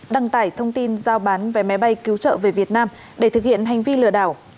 đăng tải thông tin giao bán vé máy bay cứu trợ về việt nam để thực hiện hành vi lừa đảo